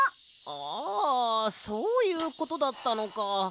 あそういうことだったのか。